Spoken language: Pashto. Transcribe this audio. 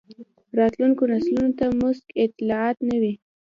راتلونکو نسلونو ته موثق اطلاعات نه وي.